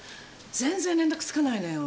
全然連絡つかないのよ。